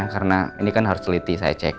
karena ini kan harus seliti saya cek